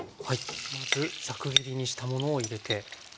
まずザク切りにしたものを入れて。